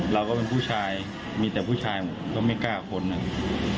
เราก็เป็นผู้ชายมีแต่ผู้ชายหมดก็ไม่กล้าคนนะครับ